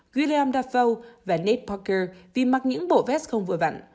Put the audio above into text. guillaume dafoe và nate parker vì mặc những bộ vest không vừa vặn